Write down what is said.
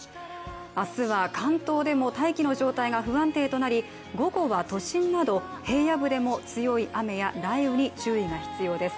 明日は、関東でも大気の状態が不安定となり午後は都心など平野部でも強い雨や雷雨に注意が必要です。